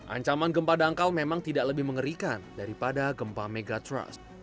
ancaman gempa dangkal memang tidak lebih mengerikan daripada gempa megatrust